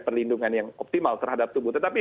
perlindungan yang optimal terhadap tubuh tetapi